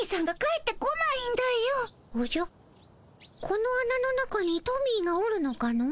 このあなの中にトミーがおるのかの？